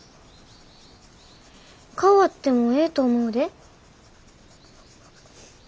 変わってもええと思うで。